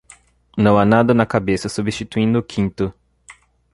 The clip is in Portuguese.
Não há nada na cabeça, substituindo o quinto.